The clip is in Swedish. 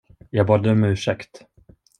Jag bad om ursäkt.